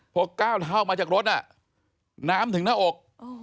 พอก้าวเท่ามาจากรถน้ำถึงหน้าอก